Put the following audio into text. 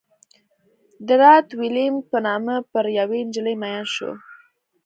د رات ویلیمز په نامه پر یوې نجلۍ مین شو.